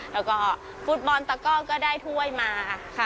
แล้วก็ฟุตบอลตะก้อก็ได้ถ้วยมาค่ะ